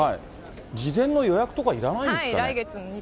事前の予約とかいらないんですかね。